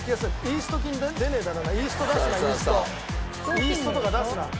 イーストとか出すな。